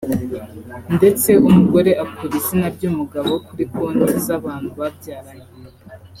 ndetse umugore akura izina ry’umugabo kuri konti z’abantu babyaranye